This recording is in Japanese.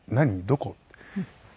どこ？って。